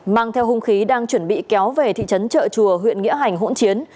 mang theo hung khí đang chuẩn bị kéo về thị trấn trợ chùa huyện nghĩa hành hỗn chiến